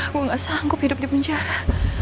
gue nggak sanggup hidup di penjara